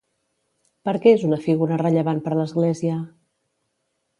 Per què és una figura rellevant per l'Església?